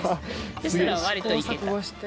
そしたら割といけた。